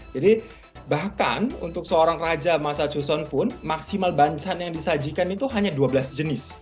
bahkan untuk seorang raja masa custon pun maksimal bancahan yang disajikan itu hanya dua belas jenis